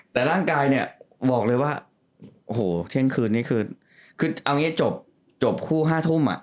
แต่ร่างกายเนี่ยบอกเลยว่าโอ้โหเที่ยงคืนนี้คือเอางี้จบคู่๕ทุ่ม